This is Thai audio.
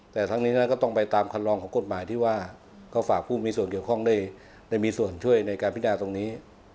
แต่ทั้งนี้ก็ต้องไปตามคันลองของกฎหมายที่ว่าก็ฝากผู้มีส่วนเกี่ยวข้องได้มีส่วนช่วยในการพินาตรงนี้